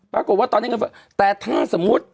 ปรากฏว่าตอนนี้เงินเฟ้อแต่ถ้าสมมุติ